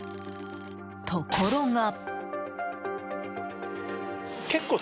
ところが。